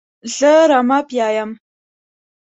زه رمه پیايم.